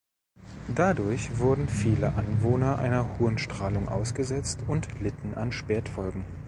Dadurch wurden viele Anwohner einer hohen Strahlung ausgesetzt und litten an Spätfolgen.